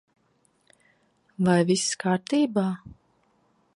Vai viss kārtībā?